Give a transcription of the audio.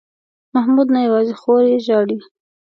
محمود نه یوازې خور یې ژاړي.